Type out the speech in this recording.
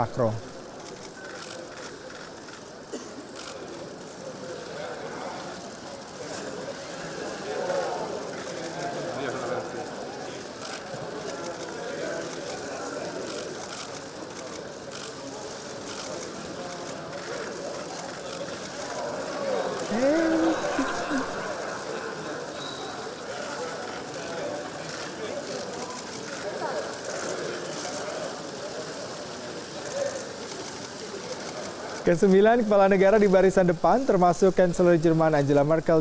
kesembilan kepala negara di barisan depan termasuk kansler jerman angela merkel